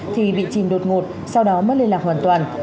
thì bị chìm đột ngột sau đó mất liên lạc hoàn toàn